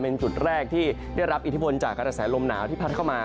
เป็นที่แรกที่ได้รับอิทธิบลจากอัตภัษยรมหนาวที่พักเข้ามา